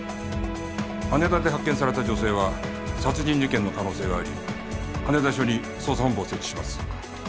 羽田で発見された女性は殺人事件の可能性があり羽田署に捜査本部を設置します。